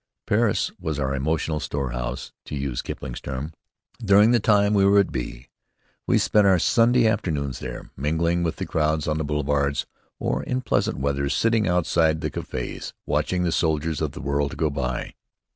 Paris was our emotional storehouse, to use Kipling's term, during the time we were at B . We spent our Sunday afternoons there, mingling with the crowds on the boulevards, or, in pleasant weather, sitting outside the cafés, watching the soldiers of the world go by.